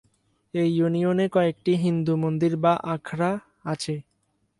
এ ইউনিয়নে কয়েকটি হিন্দু মন্দির বা আখড়া আছে।